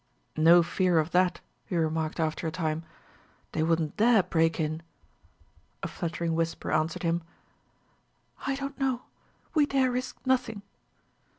"No fear of that," he remarked after a time. "They wouldn't dare break in." A fluttering whisper answered him: "I don't know. We dare risk nothing."